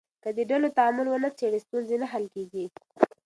که د ډلو تعامل ونه څېړې، ستونزې نه حل کېږي.